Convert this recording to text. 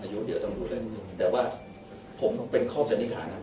อายุเดียวต้องดูได้แต่ว่าผมเป็นข้อสันนิษฐานครับผม